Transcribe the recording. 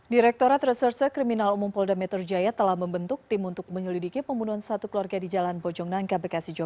direkturat reserse kriminal umum polda metro jaya telah membentuk tim untuk menyelidiki pembunuhan satu keluarga di jalan bojong nangka bekasi jawa barat